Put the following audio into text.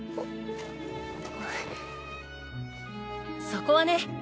そこはね